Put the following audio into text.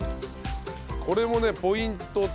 これもねポイントと。